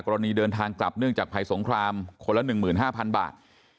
กรณีเดินทางกลับเนื่องจากภัยสงครามคนละ๑๕๐๐๐บาท